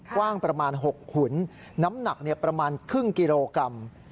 กว้างประมาณ๖หุ่นน้ำหนักประมาณครึ่งกิโลกรัม